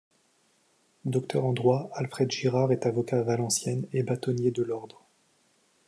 Docteur en droit, Alfred Girard est avocat à Valenciennes, et bâtonnier de l'ordre.